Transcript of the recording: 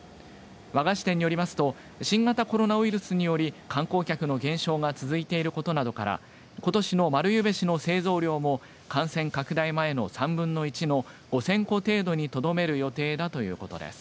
和菓子店によりますと新型コロナウイルスにより観光客の減少が続いていることなどからことしの丸柚餅子の製造量も感染拡大前の３分の１の５０００個程度にとどめる予定だということです。